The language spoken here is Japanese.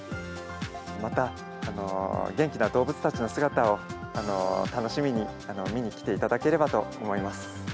また元気な動物たちの姿を楽しみに見に来ていただければと思います。